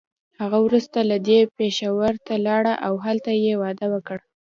هغه وروسته له دې پېښور ته لاړه او هلته يې واده وکړ.